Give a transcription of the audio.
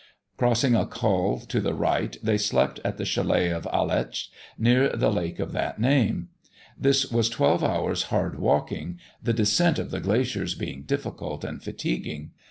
Crossing a col to the right, they slept at the chalet of Aletsch, near the lake of that name. This was twelve hours' hard walking, the descent of the glaciers being difficult and fatiguing.